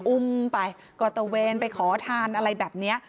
อุ้มไปก็ตะเวนไปขอทานอะไรแบบนี้